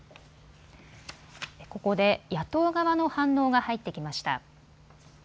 ここで野党側の反応が入ってきました。